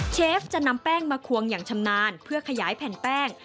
เชฟจะนำแป้งมาควงอย่างชำนาญเพื่อขยายแผ่นแป้ง